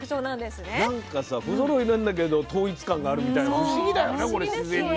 なんかさ不ぞろいなんだけど統一感があるみたいな不思議だよね